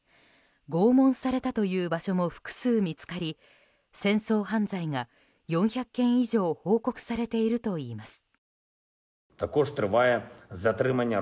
拷問されたという場所も複数見つかり戦争犯罪が４００件以上報告されているといいます。